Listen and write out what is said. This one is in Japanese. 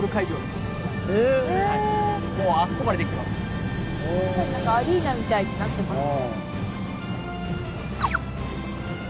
確かにアリーナみたいになってます。